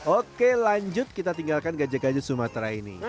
oke lanjut kita tinggalkan gajah gajah sumatera ini